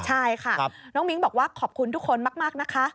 ใช่ค่ะน้องมิ้งบอกว่าขอบคุณทุกคนมากนะคะ